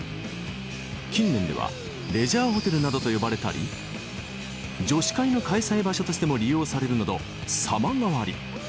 「近年では“レジャーホテル”などと呼ばれたり女子会の開催場所としても利用されるなど様変わり」